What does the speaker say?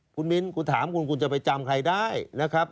คุณมิ้นคุณถามคุณคุณจะไปจำใครได้นะครับ